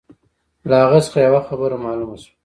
له هغه څخه یوه خبره معلومه شوه.